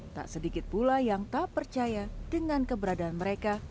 tak sedikit pula yang tak percaya dengan keberadaan mereka